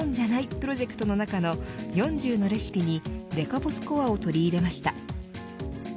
プロジェクトの中の４０のレシピにデカボスコアを取り入れました。